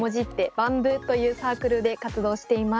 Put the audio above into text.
ＢＡＭ部というサークルで活動しています。